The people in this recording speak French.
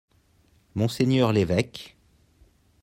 Monseigneur l'évêque.